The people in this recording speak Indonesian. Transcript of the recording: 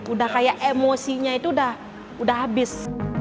udah kayak emosinya itu udah habis